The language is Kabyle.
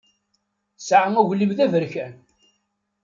Tesɛa aglim d aberkan.